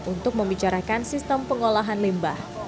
untuk membicarakan sistem pengolahan limbah